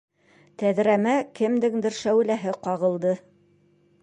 Тәҙрәмә кемдеңдер шәүләһе ҡағылды.